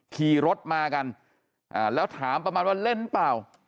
ขี่รถมากันแล้วถามประมาณว่าเล่นเปล่า